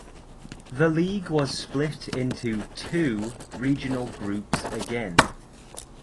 The league was split into two regional groups again.